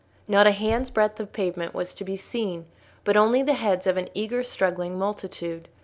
Not a hand's breadth of pavement was to be seen, but only the heads of an eager struggling multitude.